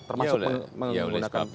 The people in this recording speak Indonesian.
termasuk menggunakan undang undang yang lama